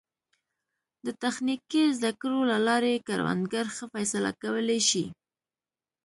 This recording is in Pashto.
د تخنیکي زده کړو له لارې کروندګر ښه فیصله کولی شي.